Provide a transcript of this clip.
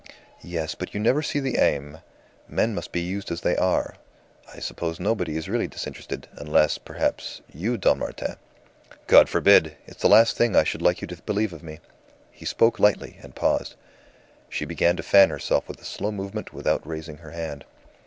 "Yes, but you never see the aim. Men must be used as they are. I suppose nobody is really disinterested, unless, perhaps, you, Don Martin." "God forbid! It's the last thing I should like you to believe of me." He spoke lightly, and paused. She began to fan herself with a slow movement without raising her hand.